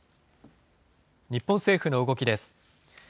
日本政府の動きです。